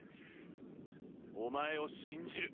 お前を信じる。